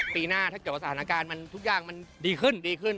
ปีหน้าถ้าเกิดว่าสถานการณ์มันทุกอย่างมันดีขึ้นดีขึ้น